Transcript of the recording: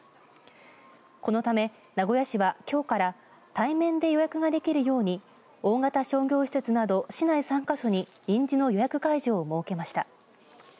このため、名古屋市はきょうから対面で予約ができるように大型商業施設など市内３か所に臨時の予約会場を設けました。